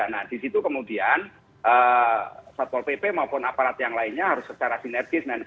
nah di situ kemudian satpol pp maupun aparat yang lainnya harus secara sinergis